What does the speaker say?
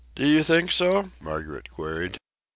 "Do you think so?" Margaret queried.